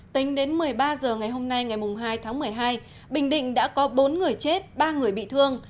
tính đến một mươi ba h ngày hôm nay ngày hai tháng một mươi hai bình định đã có bốn người chết ba người bị thương